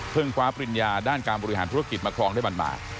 เพิ่งคว้าปริญญาด้านการบริหารธุรกิจมาครองได้บาง